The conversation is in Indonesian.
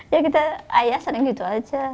ya kita ayah sering gitu aja